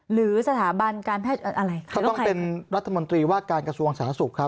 หรือสถาบันการเป็นรัฐมนตรีและคาดกะสูงศาสุคร